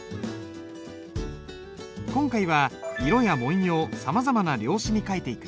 今回は色や文様さまざまな料紙に書いていく。